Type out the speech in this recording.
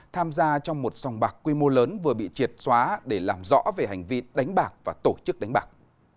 tham gia trong một sòng bạc quy mô lớn vừa bị triệt xóa để làm rõ về hành vi đánh bạc và tổ chức đánh bạc